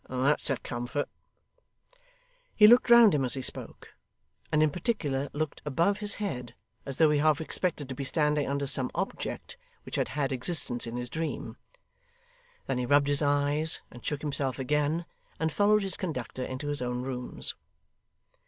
That's a comfort.' He looked round him as he spoke, and in particular looked above his head, as though he half expected to be standing under some object which had had existence in his dream. Then he rubbed his eyes and shook himself again, and followed his conductor into his own rooms.